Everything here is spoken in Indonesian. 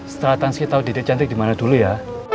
setelah tanski tau dede calik dimana dulu ya